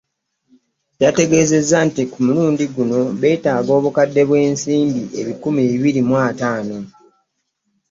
Yategeezezza nti ku mulundi guno beetaaga obukadde bw'ensimbi ebikumi bibiri mu ataano